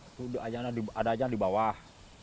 itu ada aja di bawah